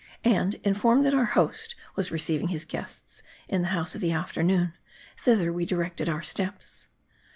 And informed that our host was receiving his guests in the House of the Afternoon, thither we directed our steps.